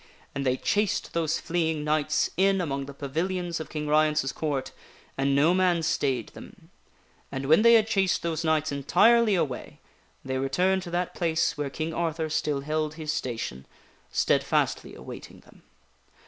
And they chased those flee ing knights in among the pavilions of King Ryence's Court, and no man stayed them ; and when they had chased those knights entirely away, they returned to that place where King Arthur still held his station, stead fastly awaiting them.